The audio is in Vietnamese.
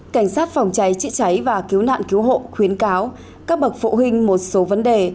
cảnh sát phòng cháy chữa cháy và cứu nạn cứu hộ khuyến cáo các bậc phụ huynh một số vấn đề